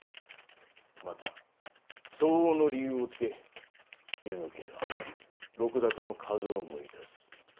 また相応の理由をつけ水野家には禄高の加増もいたす。